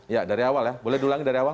ya dari awal ya boleh diulangi dari awal